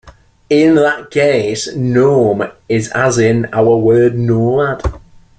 In that case, -nome is as in our word nomad.